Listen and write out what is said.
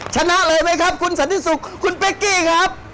ชนะเลยไหมครับคุณสันติสุขคุณเป๊กกี้ครับ